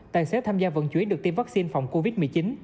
tài xế tham gia vận chuyển được tiêm vaccine phòng covid một mươi chín